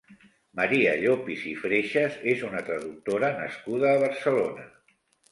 Maria Llopis i Freixas és una traductora nascuda a Barcelona.